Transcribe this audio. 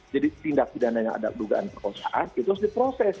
jadi tindak pidananya ada dugaan perkosaan itu harus diproses